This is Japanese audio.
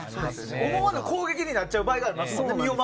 思わぬ攻撃になっちゃう場合もありますよね。